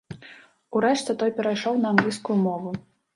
Урэшце той перайшоў на англійскую мову.